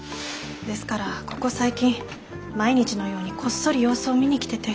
ですからここ最近毎日のようにこっそり様子を見に来てて。